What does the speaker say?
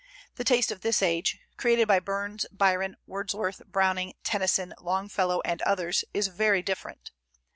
The taste of this age created by Burns, Byron, Wordsworth, Browning, Tennyson, Longfellow, and others is very different.